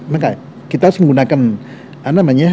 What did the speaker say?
maka kita harus menggunakan